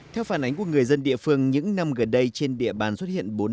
theo phản ánh của người dân địa phương những năm gần đây trên địa bàn xuất hiện